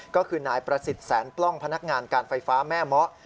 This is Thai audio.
ก็คือนายประสิทธิ์แสนปล้องพนักงานการไฟฟ้าแม่เมาะ